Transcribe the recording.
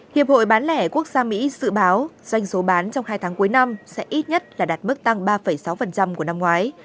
hiệp hội bán lẻ quốc gia mỹ dự báo doanh số bán trong hai tháng cuối năm sẽ ít nhất là đạt mức tăng ba sáu của năm ngoái